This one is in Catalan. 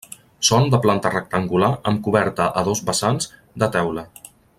Són de planta rectangular amb coberta a dos vessants, de teula.